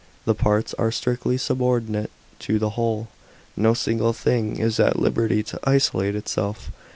The parts arc strictly subordinate to the whole. No single thing is at liberty to isolate itself.